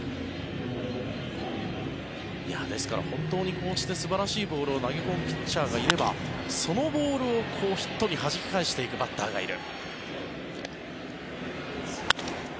ですから、本当にこうして素晴らしいボールを投げ込むピッチャーがいればそのボールをヒットにはじき返していくバッターがいる。